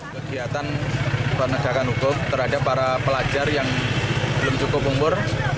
kegiatan penegakan hukum terhadap para pelajar yang belum cukup umur